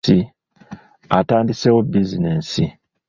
Atandiseewo bizinensi.